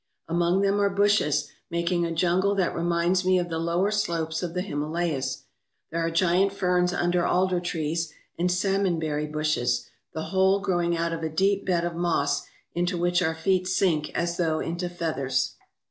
Among them are bushes, making a jungle that reminds me of the lower slopes of the Himalayas. There are giant ferns under alder trees and salmonberry bushes, the whole growing out of a deep bed of moss into which our feet sink as though into feathers.